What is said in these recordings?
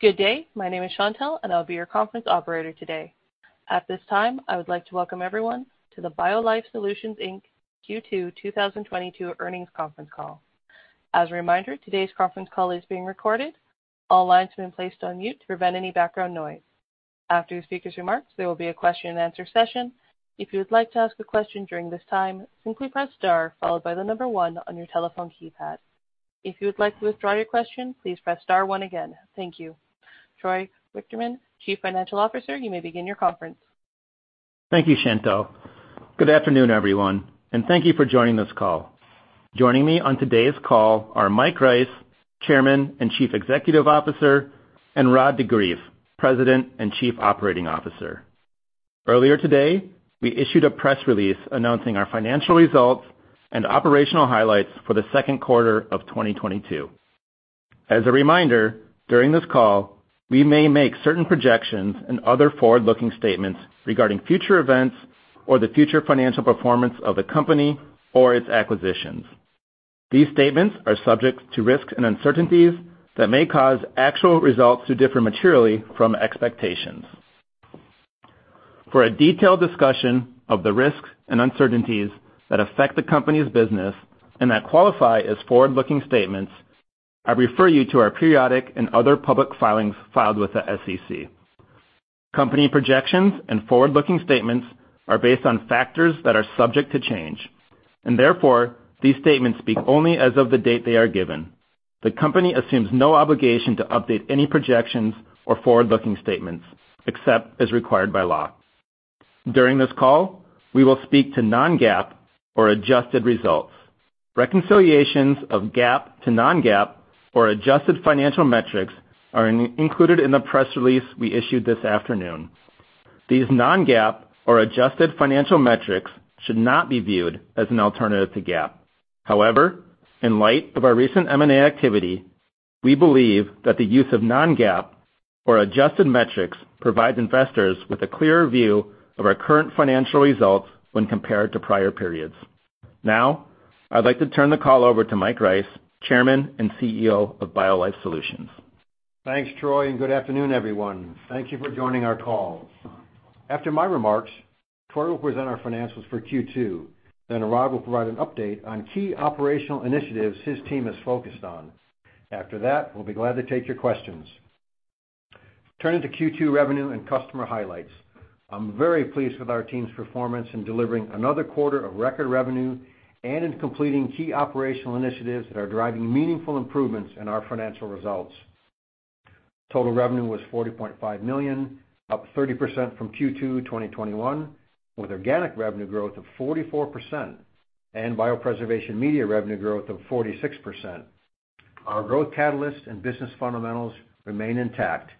Good day. My name is Chantelle, and I'll be your conference operator today. At this time, I would like to welcome everyone to the BioLife Solutions, Inc. Q2 2022 Earnings Conference Call. As a reminder, today's conference call is being recorded. All lines have been placed on mute to prevent any background noise. After the speaker's remarks, there will be a question-and-answer session. If you would like to ask a question during this time, simply press star followed by the number one on your telephone keypad. If you would like to withdraw your question, please press star one again. Thank you. Troy Wichterman, Chief Financial Officer, you may begin your conference. Thank you, Chantelle. Good afternoon, everyone, and thank you for joining this call. Joining me on today's call are Mike Rice, Chairman and Chief Executive Officer, and Rod de Greef, President and Chief Operating Officer. Earlier today, we issued a press release announcing our financial results and operational highlights for the second quarter of 2022. As a reminder, during this call, we may make certain projections and other forward-looking statements regarding future events or the future financial performance of the company or its acquisitions. These statements are subject to risks and uncertainties that may cause actual results to differ materially from expectations. For a detailed discussion of the risks and uncertainties that affect the company's business and that qualify as forward-looking statements, I refer you to our periodic and other public filings filed with the SEC. Company projections and forward-looking statements are based on factors that are subject to change, and therefore, these statements speak only as of the date they are given. The company assumes no obligation to update any projections or forward-looking statements except as required by law. During this call, we will speak to non-GAAP or adjusted results. Reconciliations of GAAP to non-GAAP or adjusted financial metrics are included in the press release we issued this afternoon. These non-GAAP or adjusted financial metrics should not be viewed as an alternative to GAAP. However, in light of our recent M&A activity, we believe that the use of non-GAAP or adjusted metrics provide investors with a clearer view of our current financial results when compared to prior periods. Now, I'd like to turn the call over to Mike Rice, Chairman and CEO of BioLife Solutions. Thanks, Troy, and good afternoon, everyone. Thank you for joining our call. After my remarks, Troy will present our financials for Q2, then Rod will provide an update on key operational initiatives his team is focused on. After that, we'll be glad to take your questions. Turning to Q2 revenue and customer highlights. I'm very pleased with our team's performance in delivering another quarter of record revenue and in completing key operational initiatives that are driving meaningful improvements in our financial results. Total revenue was $40.5 million, up 30% from Q2 2021, with organic revenue growth of 44% and Biopreservation media revenue growth of 46%. Our growth catalyst and business fundamentals remain intact,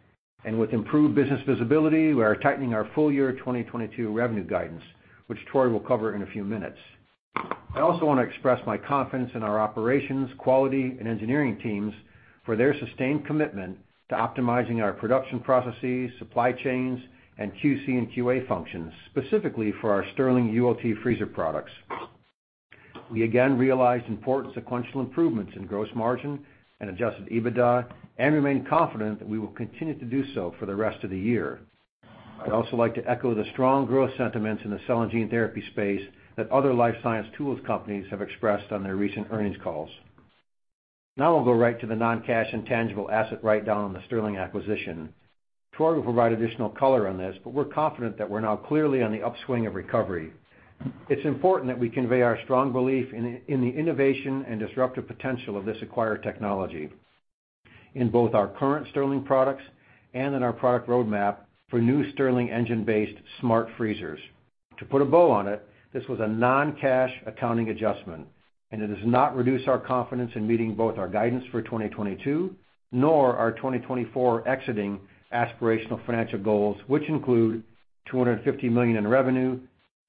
and with improved business visibility, we are tightening our full-year 2022 revenue guidance, which Troy will cover in a few minutes. I also want to express my confidence in our operations, quality, and engineering teams for their sustained commitment to optimizing our production processes, supply chains, and QC and QA functions, specifically for our Stirling ULT freezer products. We again realized important sequential improvements in gross margin and adjusted EBITDA and remain confident that we will continue to do so for the rest of the year. I'd also like to echo the strong growth sentiments in the cell and gene therapy space that other life science tools companies have expressed on their recent earnings calls. Now we'll go right to the non-cash intangible asset write-down on the Stirling acquisition. Troy will provide additional color on this, but we're confident that we're now clearly on the upswing of recovery. It's important that we convey our strong belief in the innovation and disruptive potential of this acquired technology in both our current Stirling products and in our product roadmap for new Stirling engine-based smart freezers. To put a bow on it, this was a non-cash accounting adjustment, and it has not reduced our confidence in meeting both our guidance for 2022, nor our 2024 exit aspirational financial goals, which include $250 million in revenue,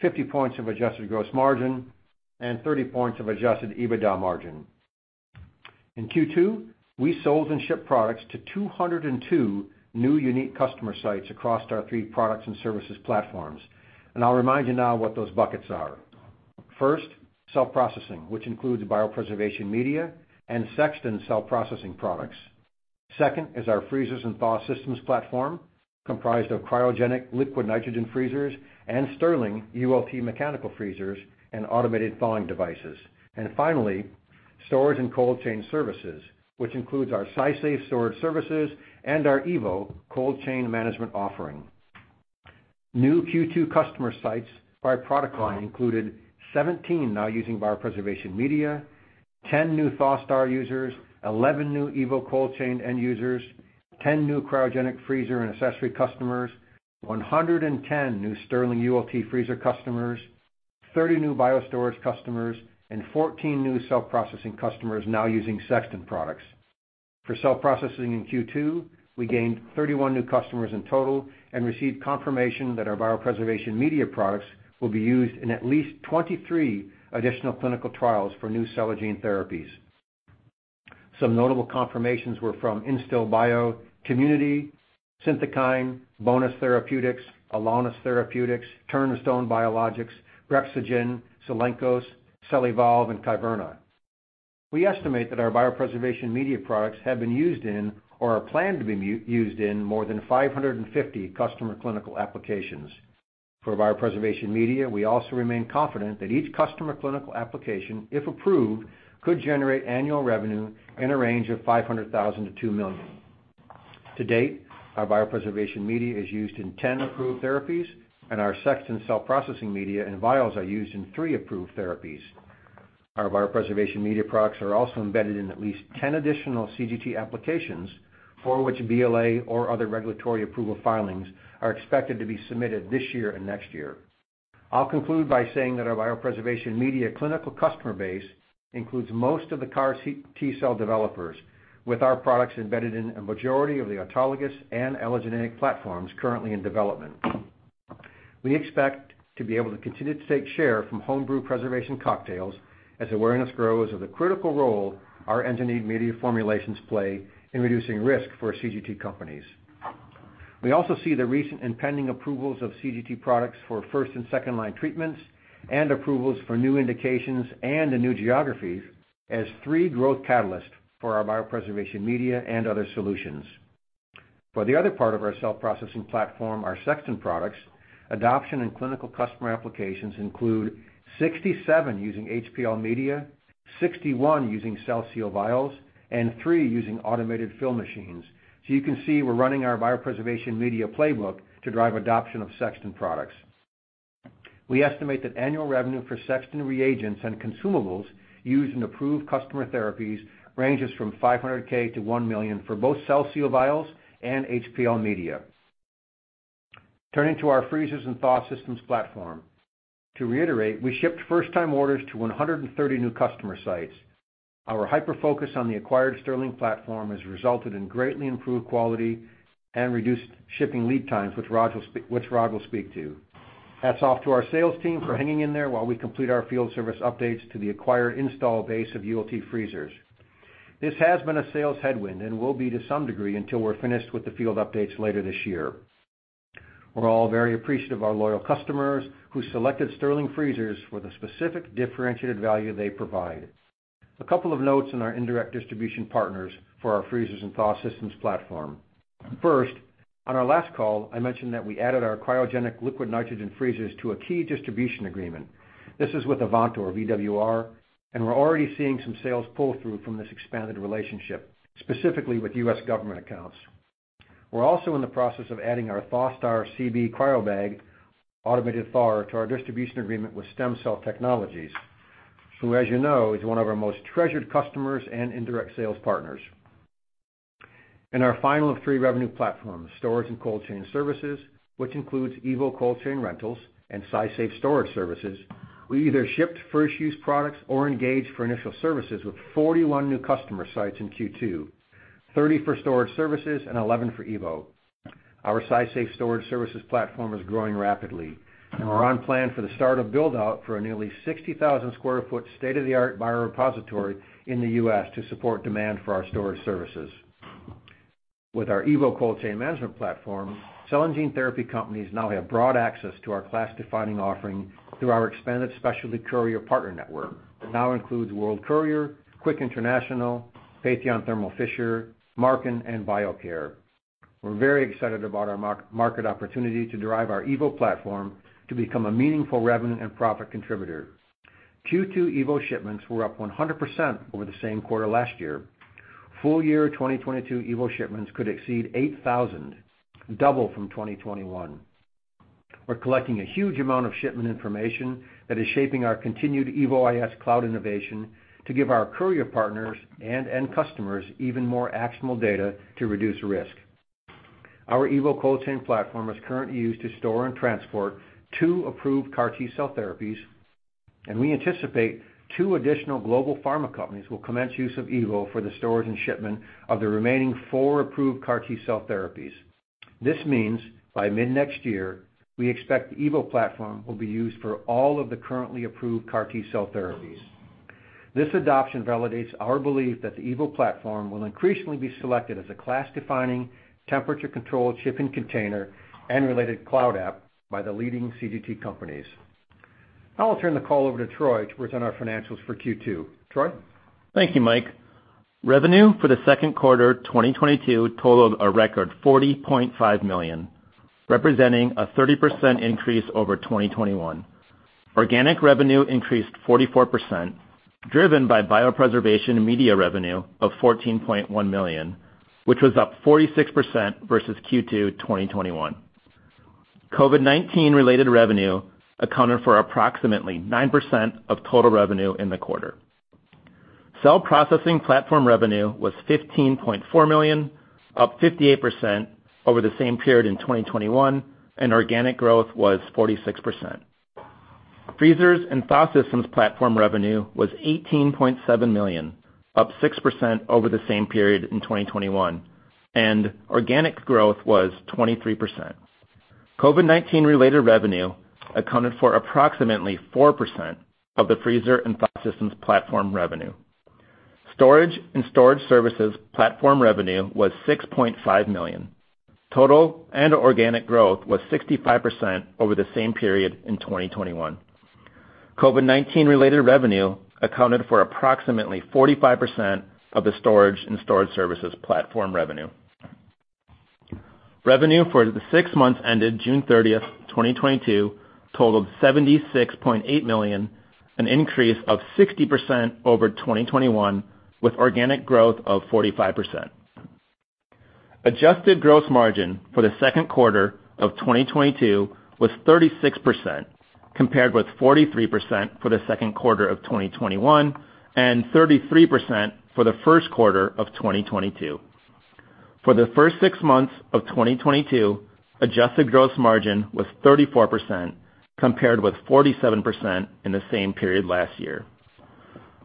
50% adjusted gross margin, and 30% adjusted EBITDA margin. In Q2, we sold and shipped products to 202 new unique customer sites across our three products and services platforms. I'll remind you now what those buckets are. First, cell processing, which includes Biopreservation media and Sexton cell processing products. Second is our freezers and thaw systems platform, comprised of cryogenic liquid nitrogen freezers and Stirling ULT mechanical freezers and automated thawing devices. Finally, storage and cold chain services, which includes our SciSafe storage services and our evo cold chain management offering. New Q2 customer sites by product line included 17 now using Biopreservation media, 10 new ThawSTAR users, 11 new evo cold chain end users, 10 new cryogenic freezer and accessory customers, 110 new Stirling ULT freezer customers, 30 new SciSafe customers, and 14 new cell processing customers now using Sexton products. For cell processing in Q2, we gained 31 new customers in total and received confirmation that our Biopreservation media products will be used in at least 23 additional clinical trials for new cell and gene therapies. Some notable confirmations were from Instil Bio, ImmunityBio, Synthekine, Bonus BioGroup, Alaunos Therapeutics, Turnstone Biologics, Precigen, Cellenkos, Cellevolve, and Kyverna. We estimate that our Biopreservation media products have been used in or are planned to be used in more than 550 customer clinical applications. For Biopreservation media, we also remain confident that each customer clinical application, if approved, could generate annual revenue in a range of $500,000-$2 million. To date, our Biopreservation media is used in 10 approved therapies, and our Sexton cell processing media and vials are used in 3 approved therapies. Our Biopreservation media products are also embedded in at least 10 additional CGT applications for which BLA or other regulatory approval filings are expected to be submitted this year and next year. I'll conclude by saying that our Biopreservation media clinical customer base includes most of the CAR T-cell developers, with our products embedded in a majority of the autologous and allogeneic platforms currently in development. We expect to be able to continue to take share from home brew preservation cocktails as awareness grows of the critical role our engineered media formulations play in reducing risk for CGT companies. We also see the recent impending approvals of CGT products for first and second line treatments, and approvals for new indications and in new geographies as three growth catalysts for our Biopreservation media and other solutions. For the other part of our cell processing platform, our Sexton products, adoption and clinical customer applications include 67 using HPL media, 61 using CellSeal vials, and 3 using automated fill machines. You can see we're running our Biopreservation media playbook to drive adoption of Sexton products. We estimate that annual revenue for Sexton reagents and consumables used in approved customer therapies ranges from $500K to $1 million for both CellSeal vials and HPL media. Turning to our freezers and thaw systems platform. To reiterate, we shipped first time orders to 130 new customer sites. Our hyperfocus on the acquired Stirling platform has resulted in greatly improved quality and reduced shipping lead times, which Rod will speak to. Hats off to our sales team for hanging in there while we complete our field service updates to the acquired install base of ULT freezers. This has been a sales headwind and will be to some degree until we're finished with the field updates later this year. We're all very appreciative of our loyal customers who selected Stirling Freezers for the specific differentiated value they provide. A couple of notes on our indirect distribution partners for our freezers and thaw systems platform. First, on our last call, I mentioned that we added our cryogenic liquid nitrogen freezers to a key distribution agreement. This is with Avantor, VWR, and we're already seeing some sales pull through from this expanded relationship, specifically with U.S. government accounts. We're also in the process of adding our ThawSTAR CB cryobag automated thaw to our distribution agreement with STEMCELL Technologies, who, as you know, is one of our most treasured customers and indirect sales partners. In our final three revenue platforms, storage and cold chain services, which includes evo cold chain rentals and SciSafe Storage Services, we either shipped first use products or engaged for initial services with 41 new customer sites in Q2, 30 for storage services and 11 for evo. Our SciSafe Storage Services platform is growing rapidly, and we're on plan for the start of build-out for a nearly 60,000 sq ft state-of-the-art biorepository in the US to support demand for our storage services. With our evo cold chain management platform, cell and gene therapy companies now have broad access to our class-defining offering through our expanded specialty courier partner network that now includes World Courier, Quick International, Patheon Thermo Fisher, Marken, and Biocair. We're very excited about our market opportunity to drive our evo platform to become a meaningful revenue and profit contributor. Q2 evo shipments were up 100% over the same quarter last year. Full year 2022 evo shipments could exceed 8,000, double from 2021. We're collecting a huge amount of shipment information that is shaping our continued evo.is cloud innovation to give our courier partners and end customers even more actionable data to reduce risk. Our evo cold chain platform is currently used to store and transport two approved CAR T-cell therapies, and we anticipate two additional global pharma companies will commence use of evo for the storage and shipment of the remaining four approved CAR T-cell therapies. This means by mid-next year, we expect the evo platform will be used for all of the currently approved CAR T-cell therapies. This adoption validates our belief that the evo platform will increasingly be selected as a class-defining temperature-controlled shipping container and related cloud app by the leading CGT companies. Now I'll turn the call over to Troy to present our financials for Q2. Troy? Thank you, Mike. Revenue for the second quarter 2022 totaled a record $40.5 million, representing a 30% increase over 2021. Organic revenue increased 44%, driven by Biopreservation media revenue of $14.1 million, which was up 46% versus Q2 2021. COVID-19 related revenue accounted for approximately 9% of total revenue in the quarter. Cell processing platform revenue was $15.4 million, up 58% over the same period in 2021, and organic growth was 46%. Freezers and thaw systems platform revenue was $18.7 million, up 6% over the same period in 2021, and organic growth was 23%. COVID-19 related revenue accounted for approximately 4% of the freezer and thaw systems platform revenue. Storage and storage services platform revenue was $6.5 million. Total and organic growth was 65% over the same period in 2021. COVID-19 related revenue accounted for approximately 45% of the storage and storage services platform revenue. Revenue for the six months ended June 30, 2022 totaled $76.8 million, an increase of 60% over 2021 with organic growth of 45%. Adjusted gross margin for the second quarter of 2022 was 36% compared with 43% for the second quarter of 2021 and 33% for the first quarter of 2022. For the first six months of 2022, adjusted gross margin was 34% compared with 47% in the same period last year.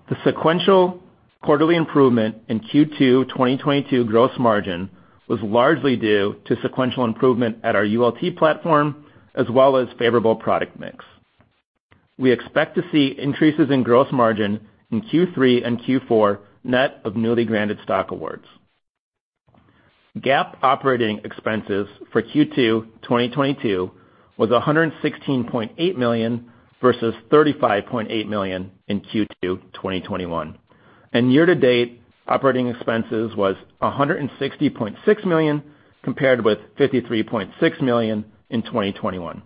The sequential quarterly improvement in Q2 2022 gross margin was largely due to sequential improvement at our ULT platform as well as favorable product mix. We expect to see increases in gross margin in Q3 and Q4 net of newly granted stock awards. GAAP operating expenses for Q2 2022 was $116.8 million versus $35.8 million in Q2 2021. Year to date, operating expenses was $160.6 million compared with $53.6 million in 2021.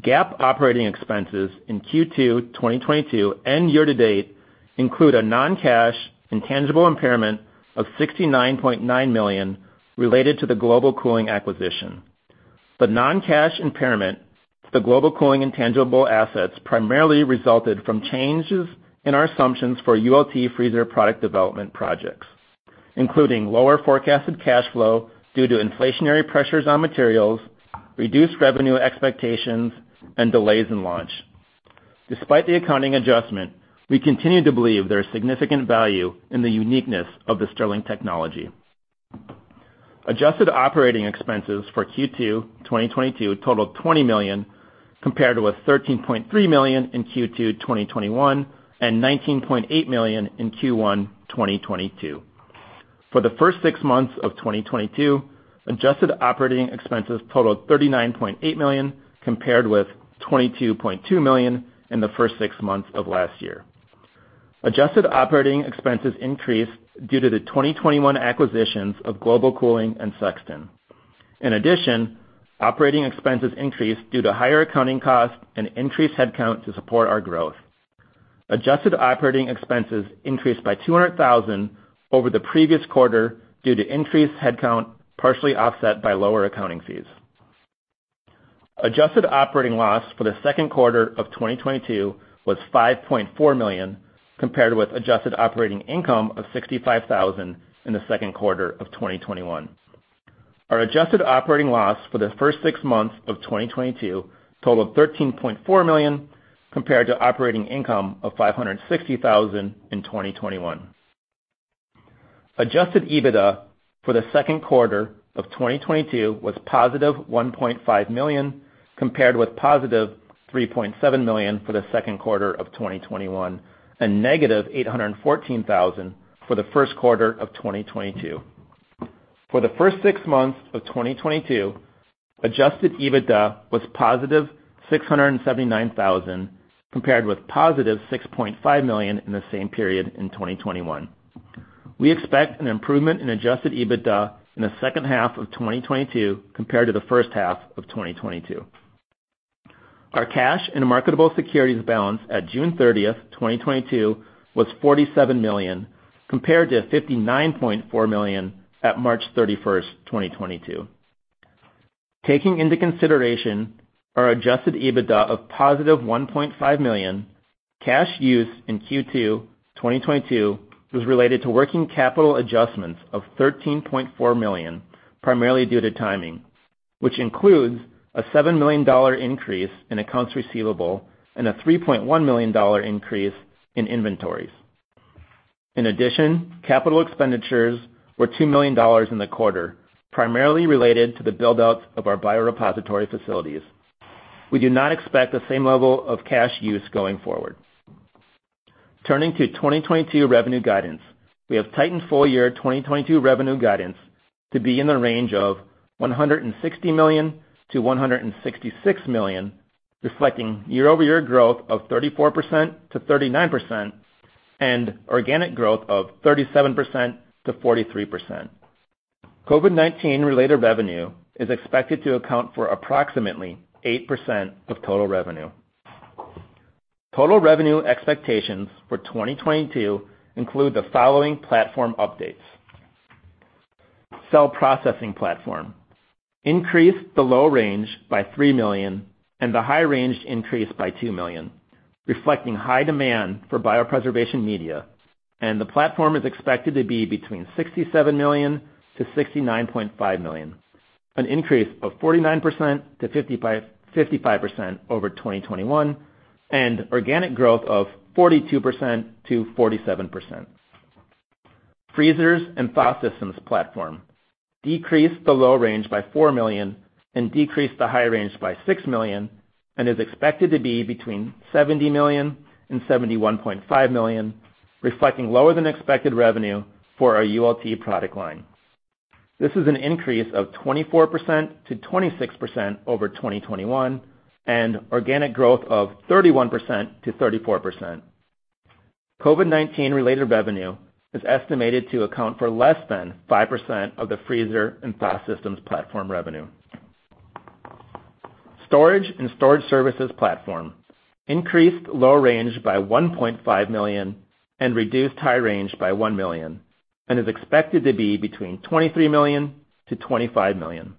GAAP operating expenses in Q2 2022 and year to date include a non-cash intangible impairment of $69.9 million related to the Global Cooling acquisition. The non-cash impairment to the Global Cooling intangible assets primarily resulted from changes in our assumptions for ULT freezer product development projects, including lower forecasted cash flow due to inflationary pressures on materials, reduced revenue expectations, and delays in launch. Despite the accounting adjustment, we continue to believe there is significant value in the uniqueness of the Stirling technology. Adjusted operating expenses for Q2 2022 totaled $20 million compared to $13.3 million in Q2 2021, and $19.8 million in Q1 2022. For the first six months of 2022, adjusted operating expenses totaled $39.8 million compared with $22.2 million in the first six months of last year. Adjusted operating expenses increased due to the 2021 acquisitions of Global Cooling and Sexton. In addition, operating expenses increased due to higher accounting costs and increased headcount to support our growth. Adjusted operating expenses increased by $200,000 over the previous quarter due to increased headcount, partially offset by lower accounting fees. Adjusted operating loss for the second quarter of 2022 was $5.4 million, compared with adjusted operating income of $65,000 in the second quarter of 2021. Our adjusted operating loss for the first six months of 2022 totaled $13.4 million compared to operating income of $560,000 in 2021. Adjusted EBITDA for the second quarter of 2022 was positive $1.5 million, compared with positive $3.7 million for the second quarter of 2021, and negative $814,000 for the first quarter of 2022. For the first six months of 2022, adjusted EBITDA was $679,000, compared with $6.5 million in the same period in 2021. We expect an improvement in adjusted EBITDA in the second half of 2022 compared to the first half of 2022. Our cash and marketable securities balance at June 30, 2022 was $47 million, compared to $59.4 million at March 31, 2022. Taking into consideration our adjusted EBITDA of $1.5 million, cash use in Q2 2022 was related to working capital adjustments of $13.4 million, primarily due to timing, which includes a $7 million increase in accounts receivable and a $3.1 million increase in inventories. In addition, capital expenditures were $2 million in the quarter, primarily related to the build-outs of our biorepository facilities. We do not expect the same level of cash use going forward. Turning to 2022 revenue guidance. We have tightened full year 2022 revenue guidance to be in the range of $160 million-$166 million, reflecting year-over-year growth of 34%-39% and organic growth of 37%-43%. COVID-19 related revenue is expected to account for approximately 8% of total revenue. Total revenue expectations for 2022 include the following platform updates. Cell processing platform increased the low range by $3 million and the high range increased by $2 million, reflecting high demand for Biopreservation media, and the platform is expected to be between $67 million and $69.5 million, an increase of 49%-55% over 2021, and organic growth of 42%-47%. Freezers and thaw systems platform decreased the low range by $4 million and decreased the high range by $6 million and is expected to be between $70 million and $71.5 million, reflecting lower than expected revenue for our ULT product line. This is an increase of 24%-26% over 2021, and organic growth of 31%-34%. COVID-19 related revenue is estimated to account for less than 5% of the freezer and thaw systems platform revenue. Storage and storage services platform increased low range by $1.5 million and reduced high range by $1 million, and is expected to be between $23 million-$25 million.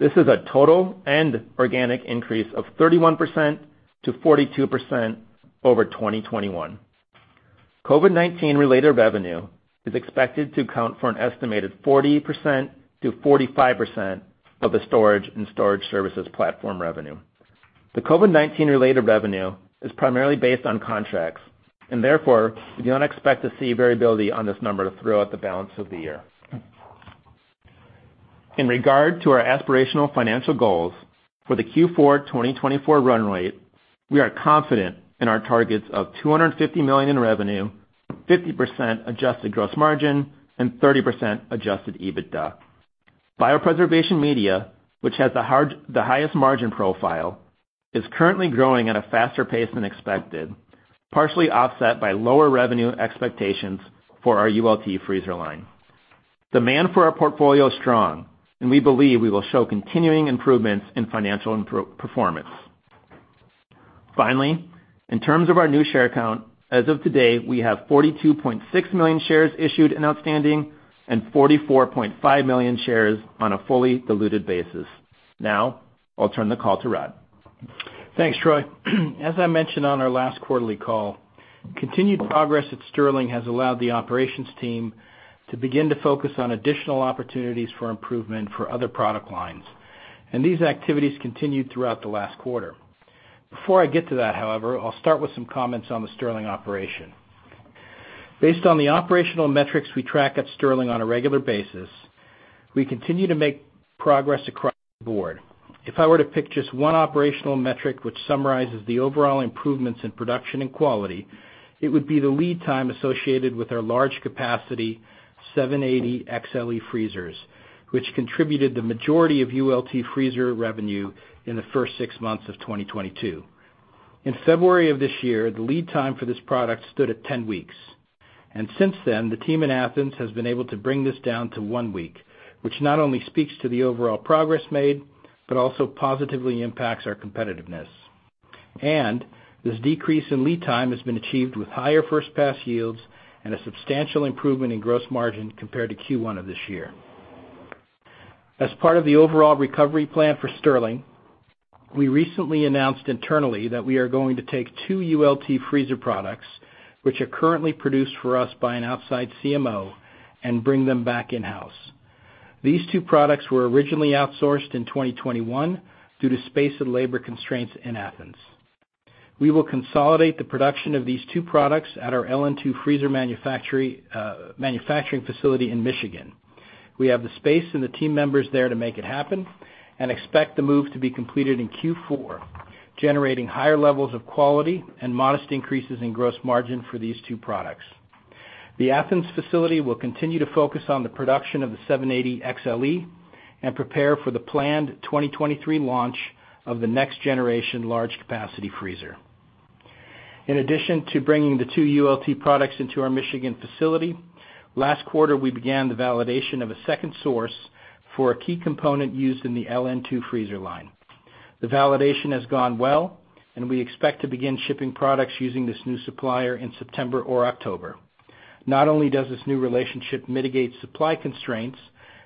This is a total and organic increase of 31%-42% over 2021. COVID-19 related revenue is expected to account for an estimated 40%-45% of the storage and storage services platform revenue. The COVID-19 related revenue is primarily based on contracts and therefore we don't expect to see variability on this number throughout the balance of the year. In regard to our aspirational financial goals for the Q4 2024 run rate, we are confident in our targets of $250 million in revenue, 50% adjusted gross margin, and 30% adjusted EBITDA. Biopreservation media, which has the highest margin profile, is currently growing at a faster pace than expected, partially offset by lower revenue expectations for our ULT freezer line. Demand for our portfolio is strong and we believe we will show continuing improvements in financial performance. Finally, in terms of our new share count, as of today, we have 42.6 million shares issued and outstanding, and 44.5 million shares on a fully diluted basis. Now I'll turn the call to Rod. Thanks, Troy. As I mentioned on our last quarterly call, continued progress at Stirling has allowed the operations team to begin to focus on additional opportunities for improvement for other product lines, and these activities continued throughout the last quarter. Before I get to that, however, I'll start with some comments on the Stirling operation. Based on the operational metrics we track at Stirling on a regular basis, we continue to make progress across the board. If I were to pick just one operational metric which summarizes the overall improvements in production and quality, it would be the lead time associated with our large-capacity 780XLE freezers, which contributed the majority of ULT freezer revenue in the first 6 months of 2022. In February of this year, the lead time for this product stood at 10 weeks, and since then the team in Athens has been able to bring this down to 1 week, which not only speaks to the overall progress made, but also positively impacts our competitiveness. This decrease in lead time has been achieved with higher first pass yields and a substantial improvement in gross margin compared to Q1 of this year. As part of the overall recovery plan for Stirling, we recently announced internally that we are going to take 2 ULT freezer products, which are currently produced for us by an outside CMO and bring them back in-house. These two products were originally outsourced in 2021 due to space and labor constraints in Athens. We will consolidate the production of these two products at our LN2 freezer manufacturing facility in Michigan. We have the space and the team members there to make it happen and expect the move to be completed in Q4, generating higher levels of quality and modest increases in gross margin for these two products. The Athens facility will continue to focus on the production of the 780XLE and prepare for the planned 2023 launch of the next generation large capacity freezer. In addition to bringing the two ULT products into our Michigan facility, last quarter we began the validation of a second source for a key component used in the LN2 freezer line. The validation has gone well and we expect to begin shipping products using this new supplier in September or October. Not only does this new relationship mitigate supply constraints,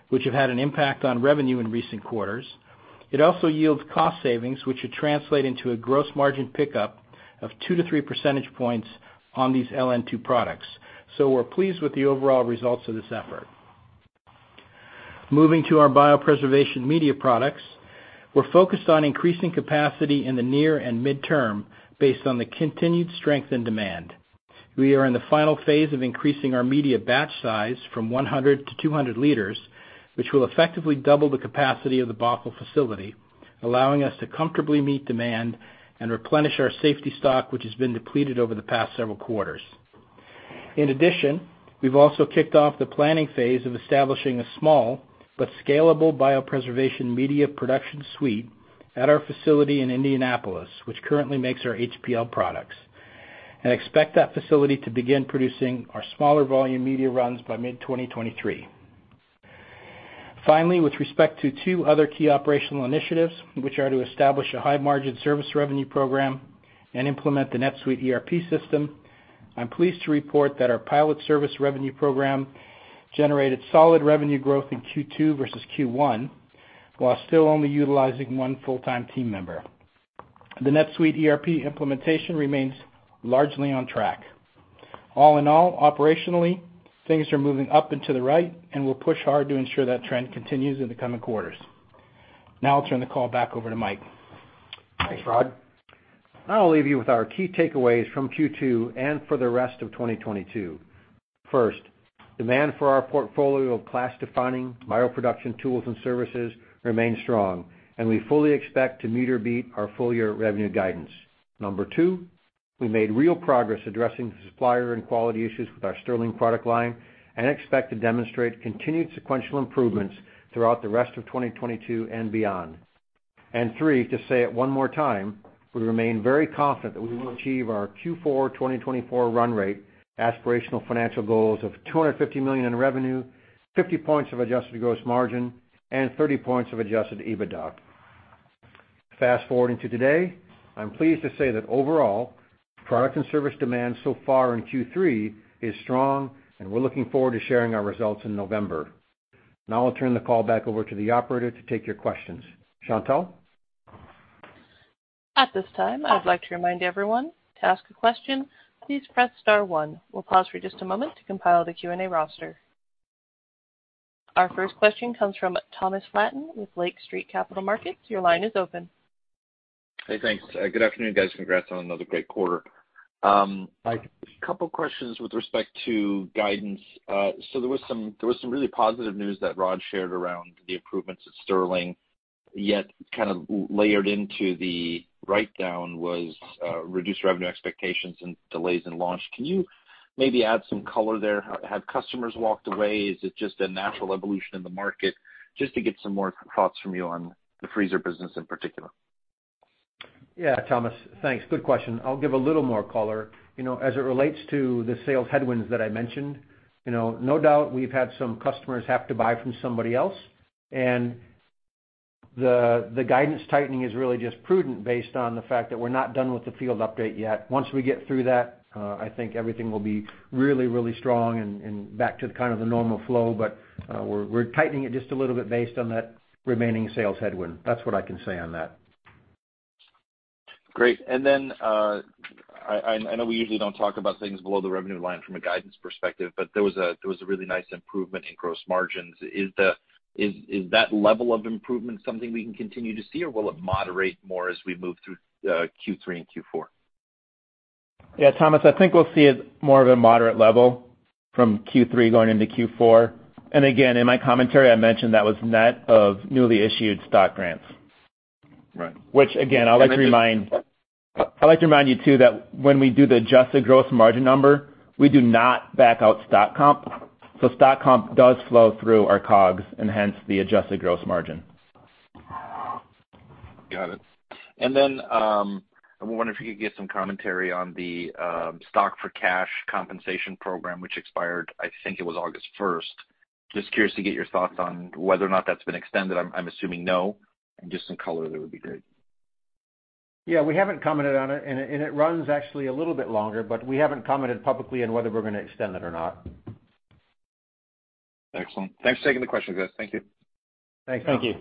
which have had an impact on revenue in recent quarters, it also yields cost savings, which should translate into a gross margin pickup of 2-3 percentage points on these LN2 products. We're pleased with the overall results of this effort. Moving to our Biopreservation media products, we're focused on increasing capacity in the near and midterm based on the continued strength and demand. We are in the final phase of increasing our media batch size from 100 to 200 liters, which will effectively double the capacity of the Bothell facility, allowing us to comfortably meet demand and replenish our safety stock, which has been depleted over the past several quarters. In addition, we've also kicked off the planning phase of establishing a small but scalable Biopreservation media production suite at our facility in Indianapolis, which currently makes our HPL products, and expect that facility to begin producing our smaller volume media runs by mid-2023. Finally, with respect to two other key operational initiatives, which are to establish a high margin service revenue program and implement the NetSuite ERP system, I'm pleased to report that our pilot service revenue program generated solid revenue growth in Q2 versus Q1, while still only utilizing one full-time team member. The NetSuite ERP implementation remains largely on track. All in all, operationally, things are moving up and to the right, and we'll push hard to ensure that trend continues in the coming quarters. Now I'll turn the call back over to Mike. Thanks, Rod. I'll leave you with our key takeaways from Q2 and for the rest of 2022. First, demand for our portfolio of class-defining bioproduction tools and services remain strong, and we fully expect to meet or beat our full-year revenue guidance. Number two, we made real progress addressing the supplier and quality issues with our Stirling product line and expect to demonstrate continued sequential improvements throughout the rest of 2022 and beyond. Three, to say it one more time, we remain very confident that we will achieve our Q4 2024 run rate aspirational financial goals of $250 million in revenue, 50% adjusted gross margin, and 30% adjusted EBITDA. Fast-forwarding to today, I'm pleased to say that overall, product and service demand so far in Q3 is strong, and we're looking forward to sharing our results in November. Now I'll turn the call back over to the operator to take your questions. Chantelle? At this time, I'd like to remind everyone to ask a question, please press star one. We'll pause for just a moment to compile the Q&A roster. Our first question comes from Thomas Flaten with Lake Street Capital Markets. Your line is open. Hey, thanks. Good afternoon, guys. Congrats on another great quarter. Mike. A couple questions with respect to guidance. So there was some really positive news that Rod shared around the improvements at Stirling, yet kind of layered into the write-down was reduced revenue expectations and delays in launch. Can you maybe add some color there? Have customers walked away? Is it just a natural evolution in the market? Just to get some more thoughts from you on the freezer business in particular. Yeah, Thomas, thanks. Good question. I'll give a little more color. You know, as it relates to the sales headwinds that I mentioned, you know, no doubt we've had some customers have to buy from somebody else. The guidance tightening is really just prudent based on the fact that we're not done with the field update yet. Once we get through that, I think everything will be really, really strong and back to kind of the normal flow. We're tightening it just a little bit based on that remaining sales headwind. That's what I can say on that. Great. I know we usually don't talk about things below the revenue line from a guidance perspective, but there was a really nice improvement in gross margins. Is that level of improvement something we can continue to see or will it moderate more as we move through Q3 and Q4? Yeah, Thomas, I think we'll see it more of a moderate level from Q3 going into Q4. Again, in my commentary, I mentioned that was net of newly issued stock grants. Right. Which again, I'd like to remind you too that when we do the adjusted gross margin number, we do not back out stock comp. Stock comp does flow through our COGS and hence the adjusted gross margin. Got it. I wonder if you could give some commentary on the stock for cash compensation program which expired, I think it was August first. Just curious to get your thoughts on whether or not that's been extended. I'm assuming no, and just some color there would be great. Yeah, we haven't commented on it, and it runs actually a little bit longer, but we haven't commented publicly on whether we're gonna extend it or not. Excellent. Thanks for taking the question, guys. Thank you. Thanks. Thank you.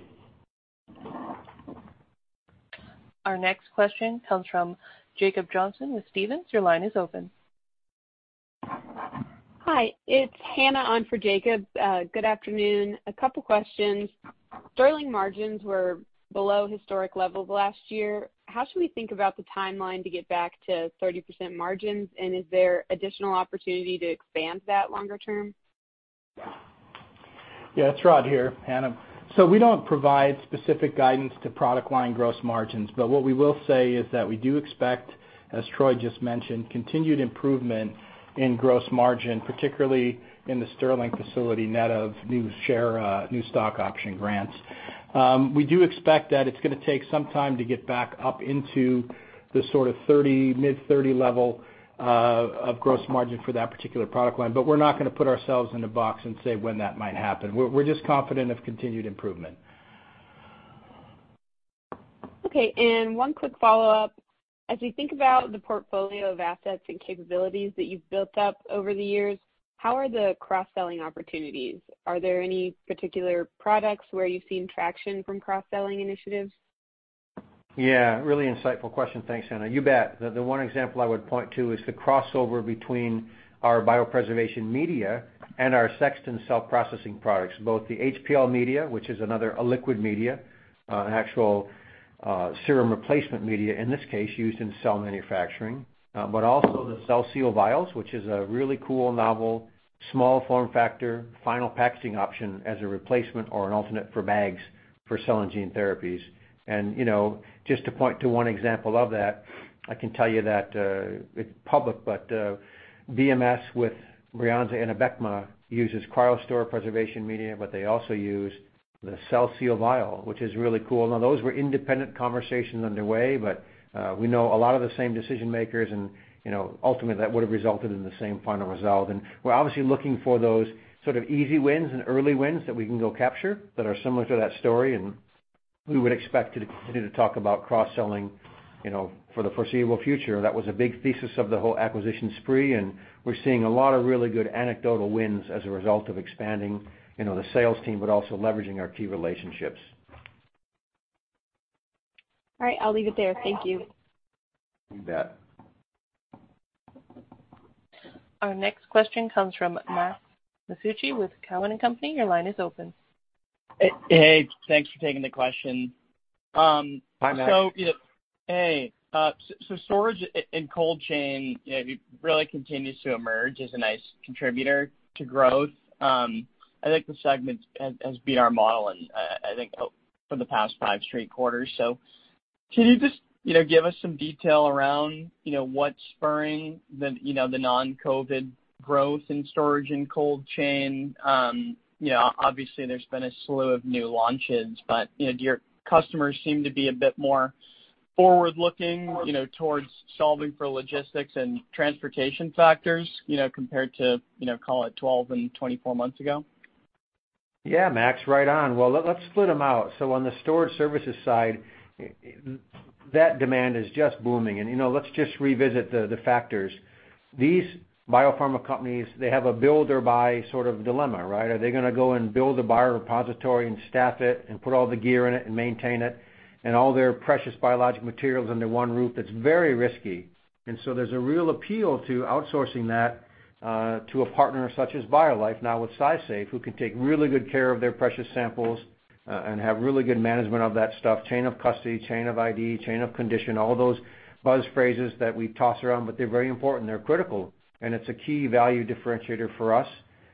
Our next question comes from Jacob Johnson with Stephens. Your line is open. Hi, it's Hannah on for Jacob. Good afternoon. A couple questions. Stirling margins were below historic levels last year. How should we think about the timeline to get back to 30% margins? Is there additional opportunity to expand that longer term? Yeah, it's Rod de Greef here, Hannah. We don't provide specific guidance to product line gross margins, but what we will say is that we do expect, as Troy Wichterman just mentioned, continued improvement in gross margin, particularly in the Stirling facility net of new share, new stock option grants. We do expect that it's gonna take some time to get back up into the sort of 30%, mid-30% level of gross margin for that particular product line, but we're not gonna put ourselves in a box and say when that might happen. We're just confident of continued improvement. Okay, one quick follow-up. As we think about the portfolio of assets and capabilities that you've built up over the years, how are the cross-selling opportunities? Are there any particular products where you've seen traction from cross-selling initiatives? Yeah, really insightful question. Thanks, Hannah. You bet. The one example I would point to is the crossover between our Biopreservation media and our Sexton cell processing products, both the HPL media, which is another liquid media, an actual serum replacement media, in this case, used in cell manufacturing, but also the CellSeal vials, which is a really cool, novel, small form factor, final packaging option as a replacement or an alternate for bags for cell and gene therapies. You know, just to point to one example of that, I can tell you that it's public, but BMS with Breyanzi and Abecma uses CryoStor preservation media, but they also use the CellSeal vial, which is really cool. Now, those were independent conversations underway, but we know a lot of the same decision-makers and, you know, ultimately that would have resulted in the same final result. We're obviously looking for those sort of easy wins and early wins that we can go capture that are similar to that story, and we would expect to continue to talk about cross-selling, you know, for the foreseeable future. That was a big thesis of the whole acquisition spree, and we're seeing a lot of really good anecdotal wins as a result of expanding, you know, the sales team, but also leveraging our key relationships. All right, I'll leave it there. Thank you. You bet. Our next question comes from Max Masucci with Cowen and Company, your line is open. Hey, thanks for taking the question. Hi, Max. Storage and cold chain, you know, it really continues to emerge as a nice contributor to growth. I think the segment has beat our model, and I think for the past 5 straight quarters. Can you just, you know, give us some detail around, you know, what's spurring the, you know, the non-COVID growth in storage and cold chain? You know, obviously, there's been a slew of new launches, but, you know, do your customers seem to be a bit more forward-looking, you know, towards solving for logistics and transportation factors, you know, compared to, you know, call it 12 and 24 months ago? Yeah, Max, right on. Well, let's split them out. On the storage services side, that demand is just booming. You know, let's just revisit the factors. These biopharma companies, they have a build or buy sort of dilemma, right? Are they gonna go and build or buy a repository and staff it and put all the gear in it and maintain it and all their precious biologic materials under one roof? That's very risky. There's a real appeal to outsourcing that to a partner such as BioLife now with SciSafe, who can take really good care of their precious samples and have really good management of that stuff, chain of custody, chain of ID, chain of condition, all those buzz phrases that we toss around, but they're very important, they're critical. It's a key value differentiator for us,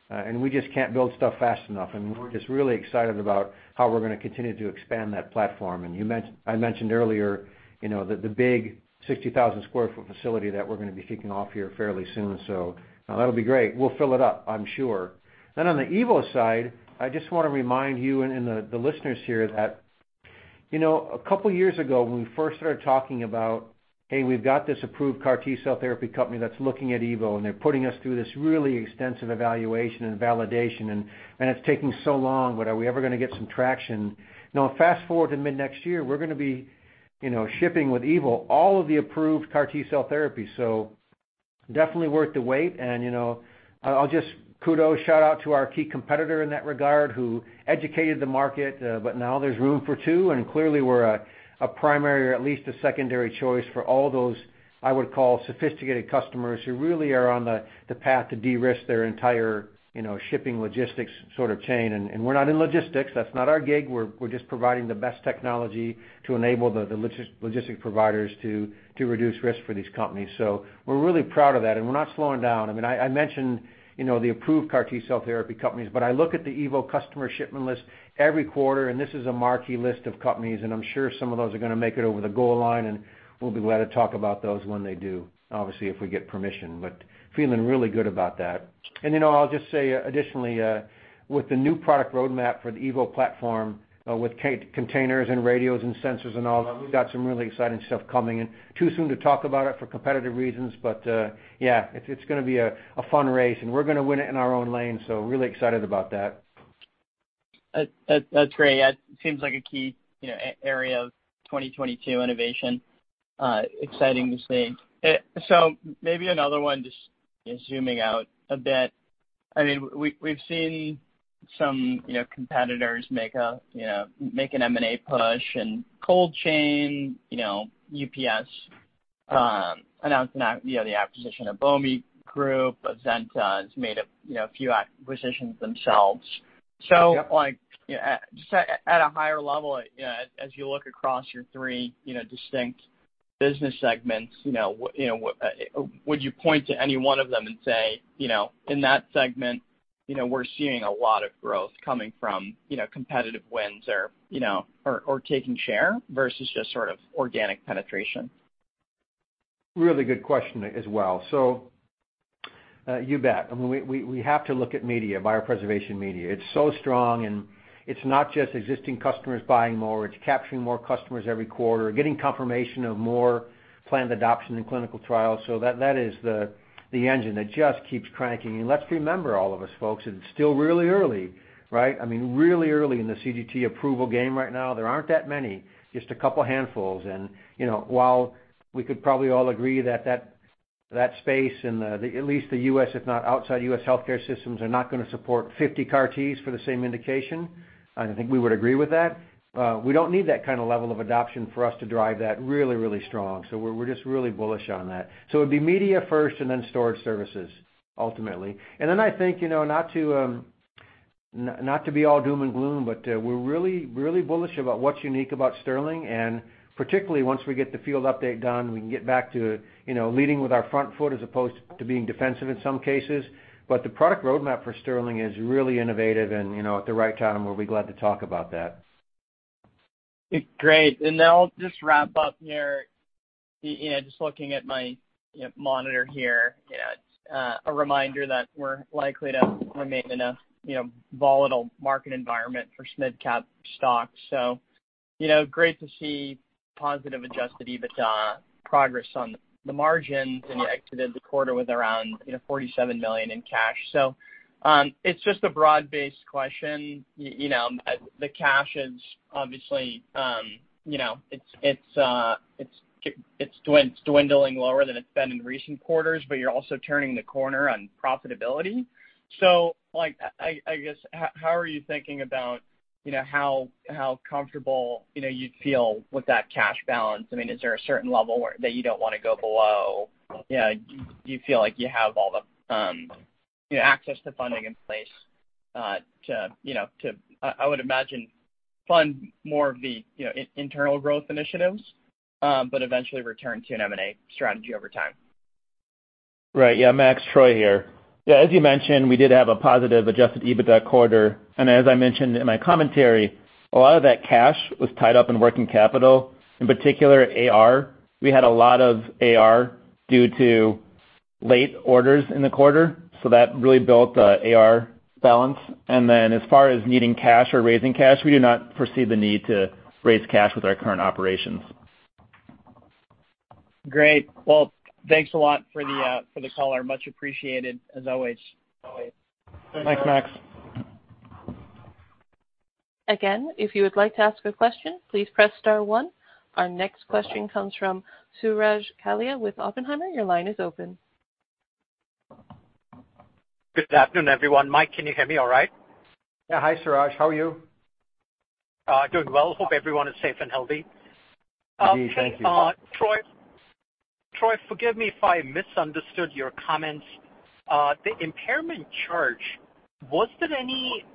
and we just can't build stuff fast enough, and we're just really excited about how we're gonna continue to expand that platform. I mentioned earlier, you know, the big 60,000 sq ft facility that we're gonna be kicking off here fairly soon. That'll be great. We'll fill it up, I'm sure. On the evo side, I just wanna remind you and the listeners here that, you know, a couple years ago when we first started talking about, "Hey, we've got this approved CAR T cell therapy company that's looking at evo, and they're putting us through this really extensive evaluation and validation, and it's taking so long, but are we ever gonna get some traction?" Now fast-forward to mid-next year, we're gonna be, you know, shipping with evo all of the approved CAR T cell therapies, so definitely worth the wait. You know, I'll just kudos, shout out to our key competitor in that regard, who educated the market, but now there's room for two, and clearly we're a primary or at least a secondary choice for all those I would call sophisticated customers who really are on the path to de-risk their entire, you know, shipping logistics sort of chain. We're not in logistics, that's not our gig. We're just providing the best technology to enable the logistic providers to reduce risk for these companies. We're really proud of that, and we're not slowing down. I mean, I mentioned, you know, the approved CAR T-cell therapy companies, but I look at the evo customer shipment list every quarter, and this is a marquee list of companies, and I'm sure some of those are gonna make it over the goal line, and we'll be glad to talk about those when they do, obviously, if we get permission, but feeling really good about that. You know, I'll just say additionally, with the new product roadmap for the evo platform, with cargo containers and radios and sensors and all that, we've got some really exciting stuff coming in. Too soon to talk about it for competitive reasons, but yeah, it's gonna be a fun race, and we're gonna win it in our own lane, so really excited about that. That's great. Yeah, it seems like a key, you know, area of 2022 innovation. Exciting to see. Maybe another one, just zooming out a bit. I mean, we've seen some, you know, competitors make an M&A push in cold chain, you know, UPS announcing the acquisition of Bomi Group. Azenta has made a few acquisitions themselves. Yep. Like, just at a higher level, you know, as you look across your three, you know, distinct business segments, you know, would you point to any one of them and say, you know, in that segment, you know, we're seeing a lot of growth coming from, you know, competitive wins or taking share versus just sort of organic penetration? Really good question as well. You bet. I mean, we have to look at media, Biopreservation media. It's so strong, and it's not just existing customers buying more, it's capturing more customers every quarter, getting confirmation of more planned adoption in clinical trials. That is the engine that just keeps cranking. Let's remember all of us, folks, it's still really early, right? I mean, really early in the CGT approval game right now. There aren't that many, just a couple handfuls. You know, while we could probably all agree that that space and, at least the U.S., if not outside U.S. healthcare systems are not gonna support 50 CAR-Ts for the same indication, and I think we would agree with that. We don't need that kind of level of adoption for us to drive that really, really strong. We're just really bullish on that. It'd be media first and then storage services ultimately. I think, you know, not to be all doom and gloom, but we're really, really bullish about what's unique about Stirling, and particularly once we get the field update done, we can get back to, you know, leading with our front foot as opposed to being defensive in some cases. The product roadmap for Stirling is really innovative and, you know, at the right time, and we'll be glad to talk about that. Great. I'll just wrap up here. You know, just looking at my, you know, monitor here, you know, it's a reminder that we're likely to remain in a, you know, volatile market environment for midcap stocks. Great to see positive adjusted EBITDA progress on the margins, and you exited the quarter with around $47 million in cash. It's just a broad-based question, you know, the cash is obviously, you know, it's dwindling lower than it's been in recent quarters, but you're also turning the corner on profitability. Like, I guess, how are you thinking about, you know, how comfortable, you know, you'd feel with that cash balance? I mean, is there a certain level where that you don't wanna go below? You know, do you feel like you have all the, you know, access to funding in place. I would imagine funding more of the, you know, internal growth initiatives, but eventually return to an M&A strategy over time. Right. Yeah, Max, Troy here. Yeah, as you mentioned, we did have a positive adjusted EBITDA quarter. As I mentioned in my commentary, a lot of that cash was tied up in working capital, in particular AR. We had a lot of AR due to late orders in the quarter, so that really built the AR balance. As far as needing cash or raising cash, we do not foresee the need to raise cash with our current operations. Great. Well, thanks a lot for the call. Much appreciated as always. Thanks, Max. Again, if you would like to ask a question, please press star one. Our next question comes from Suraj Kalia with Oppenheimer. Your line is open. Good afternoon, everyone. Mike, can you hear me all right? Yeah. Hi, Suraj. How are you? Doing well. Hope everyone is safe and healthy. Indeed. Thank you. Troy, forgive me if I misunderstood your comments. The impairment charge, was there any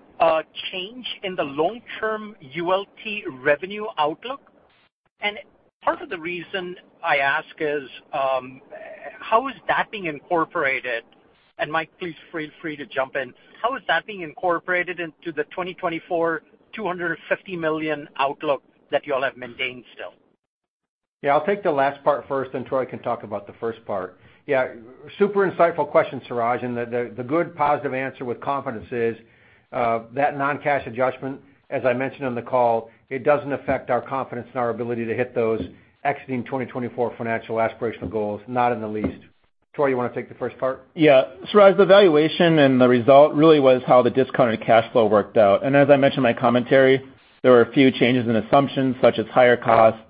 change in the long-term ULT revenue outlook? Part of the reason I ask is, how is that being incorporated, and Mike, please feel free to jump in, how is that being incorporated into the 2024 $250 million outlook that y'all have maintained still? Yeah, I'll take the last part first, then Troy can talk about the first part. Yeah, super insightful question, Suraj. The good positive answer with confidence is that non-cash adjustment, as I mentioned on the call, it doesn't affect our confidence and our ability to hit those exiting 2024 financial aspirational goals, not in the least. Troy, you wanna take the first part? Yeah. Suraj, the valuation and the result really was how the discounted cash flow worked out. I mentioned in my commentary, there were a few changes in assumptions such as higher costs,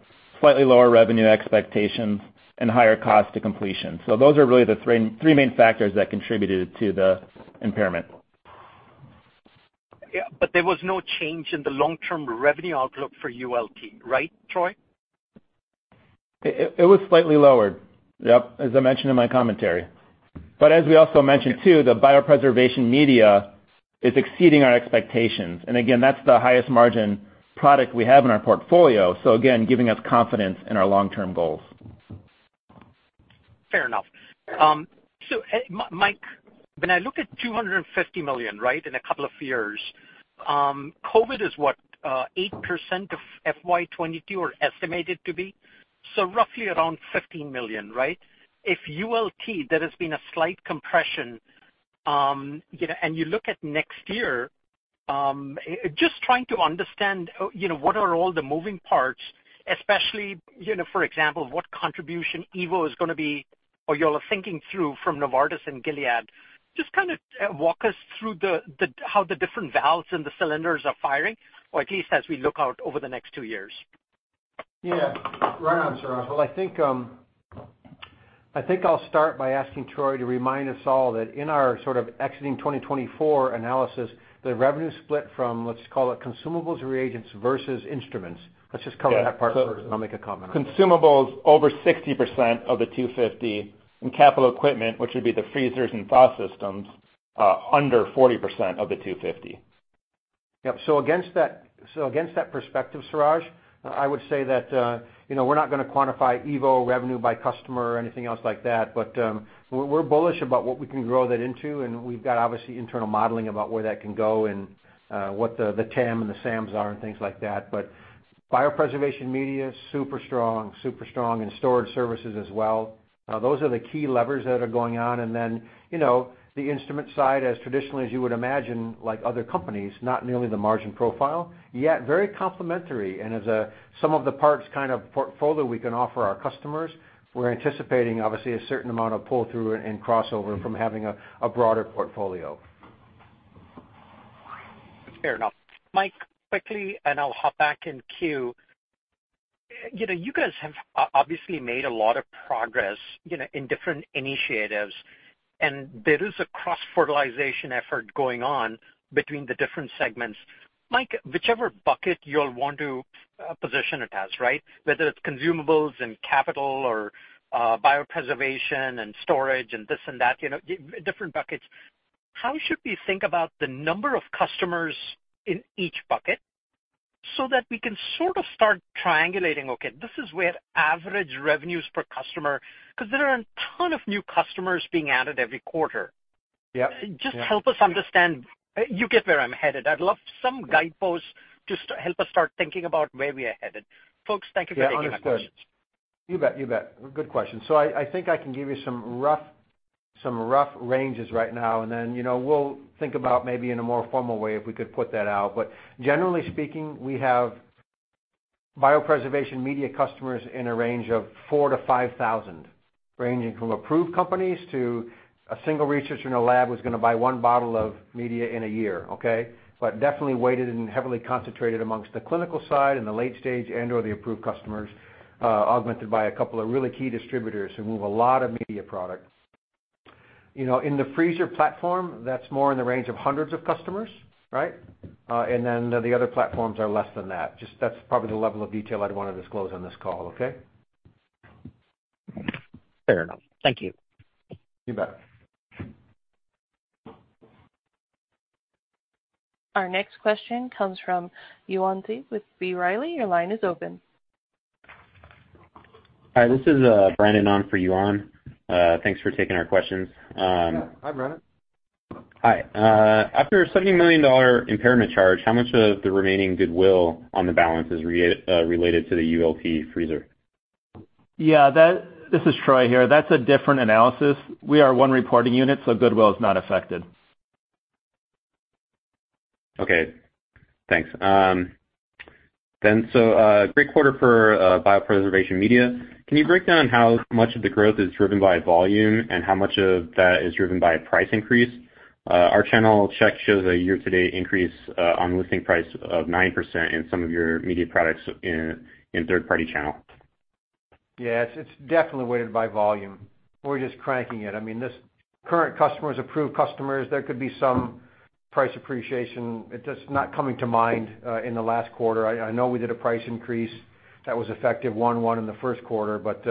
slightly lower revenue expectations, and higher cost to completion. Those are really the three main factors that contributed to the impairment. Yeah, there was no change in the long-term revenue outlook for ULT, right, Troy? It was slightly lowered, yep, as I mentioned in my commentary. As we also mentioned too, the Biopreservation media is exceeding our expectations. Again, that's the highest margin product we have in our portfolio. Again, giving us confidence in our long-term goals. Fair enough. Mike, when I look at $250 million, right, in a couple of years, COVID is what, 8% of FY 2022 or estimated to be, so roughly around $15 million, right? If ULT, there has been a slight compression, you know, and you look at next year, just trying to understand, you know, what are all the moving parts, especially, you know, for example, what contribution evo is gonna be or you all are thinking through from Novartis and Gilead. Just kinda, walk us through how the different valves and the cylinders are firing, or at least as we look out over the next two years. Yeah. Right on, Suraj. Well, I think I'll start by asking Troy to remind us all that in our sort of exiting 2024 analysis, the revenue split from, let's call it consumables reagents versus instruments. Let's just cover that part first, and I'll make a comment. Consumables over 60% of the $250 in capital equipment, which would be the freezers and ThawSTAR systems, under 40% of the $250. Yep. Against that perspective, Suraj, I would say that, you know, we're not gonna quantify EVO revenue by customer or anything else like that. We're bullish about what we can grow that into, and we've got obviously internal modeling about where that can go and what the TAM and the SAMs are and things like that. Biopreservation media is super strong, and storage services as well. Those are the key levers that are going on. Then, you know, the instrument side, as traditionally as you would imagine, like other companies, not nearly the margin profile, yet very complementary. As a sum-of-the-parts kind of portfolio we can offer our customers, we're anticipating, obviously, a certain amount of pull-through and crossover from having a broader portfolio. Fair enough. Mike, quickly, and I'll hop back in queue. You know, you guys have obviously made a lot of progress, you know, in different initiatives, and there is a cross-fertilization effort going on between the different segments. Mike, whichever bucket you'll want to position it as, right? Whether it's consumables and capital or Biopreservation and storage and this and that, you know, different buckets. How should we think about the number of customers in each bucket so that we can sort of start triangulating, okay, this is where average revenues per customer, 'cause there are a ton of new customers being added every quarter. Yeah. Just help us understand. You get where I'm headed. I'd love some guideposts to help us start thinking about where we are headed. Folks, thank you for taking my questions. You bet. Good question. I think I can give you some rough ranges right now and then, you know, we'll think about maybe in a more formal way if we could put that out. Generally speaking, we have Biopreservation media customers in a range of 4,000-5,000, ranging from approved companies to a single researcher in a lab who's gonna buy 1 bottle of media in a year, okay? Definitely weighted and heavily concentrated amongst the clinical side and the late stage and/or the approved customers, augmented by a couple of really key distributors who move a lot of media products. You know, in the freezer platform, that's more in the range of hundreds of customers, right? The other platforms are less than that. Just, that's probably the level of detail I'd wanna disclose on this call, okay? Fair enough. Thank you. You bet. Our next question comes from Yuan Zhi with B. Riley. Your line is open. Hi, this is Brandon on for Yuan. Thanks for taking our questions. Yeah. Hi, Brandon. Hi. After a $70 million impairment charge, how much of the remaining goodwill on the balance is related to the ULT freezer? This is Troy here. That's a different analysis. We are one reporting unit, so goodwill is not affected. Okay. Thanks. Great quarter for Biopreservation media. Can you break down how much of the growth is driven by volume and how much of that is driven by price increase? Our channel check shows a year-to-date increase on listing price of 9% in some of your media products in third-party channel. Yeah. It's definitely weighted by volume. We're just cranking it. I mean, these current customers, approved customers, there could be some price appreciation. It's just not coming to mind in the last quarter. I know we did a price increase that was effective 1/1 in the first quarter, but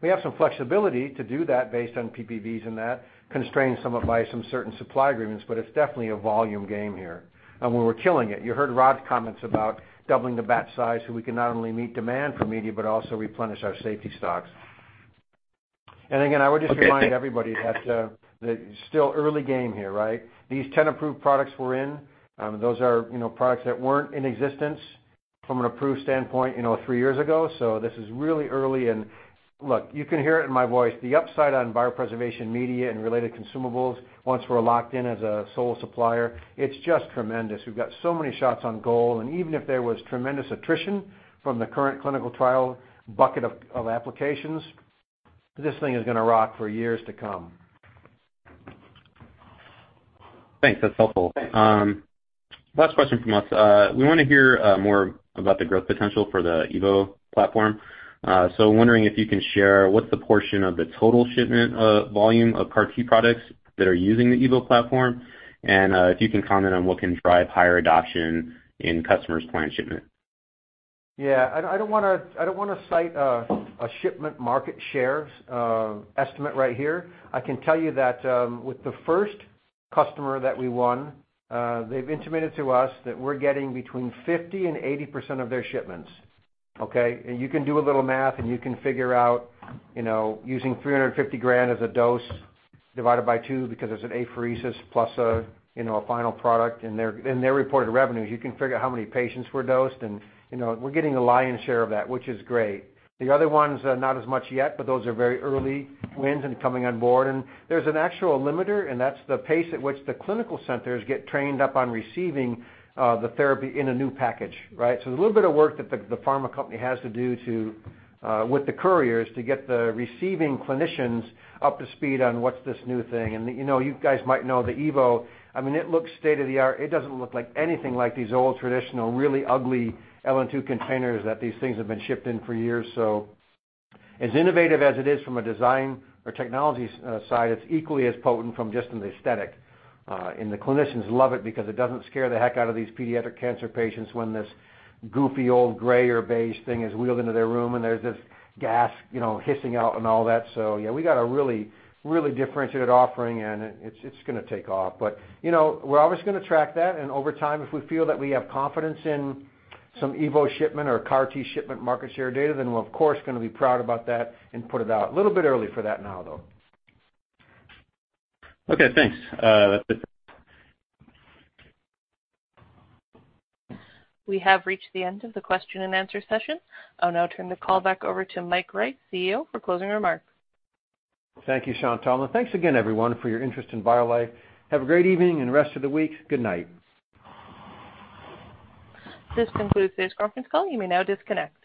we have some flexibility to do that based on PPVs and that, constrained somewhat by some certain supply agreements, but it's definitely a volume game here. We were killing it. You heard Rod de Greef's comments about doubling the batch size, so we can not only meet demand for media, but also replenish our safety stocks. Again, I would just remind everybody that it's still early game here, right? These 10 approved products we're in, those are, you know, products that weren't in existence from an approved standpoint, you know, 3 years ago. This is really early and look, you can hear it in my voice, the upside on Biopreservation media and related consumables once we're locked in as a sole supplier, it's just tremendous. We've got so many shots on goal, and even if there was tremendous attrition from the current clinical trial bucket of applications, this thing is gonna rock for years to come. Thanks. That's helpful. Last question from us. We wanna hear more about the growth potential for the EVO platform. Wondering if you can share what's the portion of the total shipment volume of CAR T products that are using the EVO platform, and if you can comment on what can drive higher adoption in customers' planned shipment. Yeah. I don't wanna cite a shipment market share estimate right here. I can tell you that with the first customer that we won, they've intimated to us that we're getting between 50% and 80% of their shipments, okay? You can do a little math, and you can figure out, you know, using $350,000 as a dose divided by two because it's an apheresis plus, you know, a final product in their reported revenues, you can figure out how many patients were dosed and, you know, we're getting the lion's share of that, which is great. The other ones not as much yet, but those are very early wins and coming on board. There's an actual limiter, and that's the pace at which the clinical centers get trained up on receiving the therapy in a new package, right? There's a little bit of work that the pharma company has to do with the couriers to get the receiving clinicians up to speed on what's this new thing. You know, you guys might know the evo, I mean, it looks state-of-the-art. It doesn't look like anything like these old, traditional, really ugly LN2 containers that these things have been shipped in for years. As innovative as it is from a design or technology side, it's equally as potent from just an aesthetic. The clinicians love it because it doesn't scare the heck out of these pediatric cancer patients when this goofy, old gray or beige thing is wheeled into their room, and there's this gas, you know, hissing out and all that. Yeah, we got a really, really differentiated offering, and it's gonna take off. You know, we're always gonna track that, and over time, if we feel that we have confidence in some evo shipment or CAR T shipment market share data, then we're of course gonna be proud about that and put it out. A little bit early for that now, though. Okay, thanks. That's it. We have reached the end of the question and answer session. I'll now turn the call back over to Mike Rice, CEO, for closing remarks. Thank you, Chantelle. Thanks again, everyone, for your interest in BioLife. Have a great evening and rest of the week. Good night. This concludes today's conference call. You may now disconnect.